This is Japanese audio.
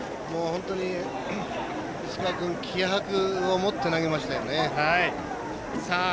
本当に石川君、気迫を持って投げましたよね。